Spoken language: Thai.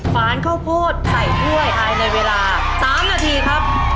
ฝานข้าวโพดไข่ถ้วยภายในเวลา๓นาทีครับ